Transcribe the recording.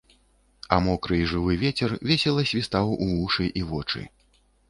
А мокры і жывы вецер весела свістаў у вушы і вочы.